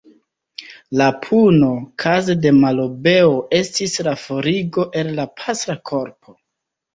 La puno, kaze de malobeo, estis la forigo el la pastra korpo.